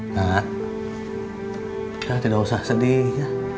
nah kita tidak usah sedih